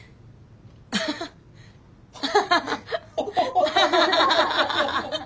アハハハハハ。